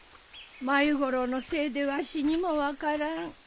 繭五郎のせいでわしにも分からん。